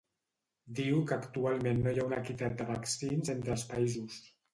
Diu que actualment no hi ha una equitat de vaccins entre els països.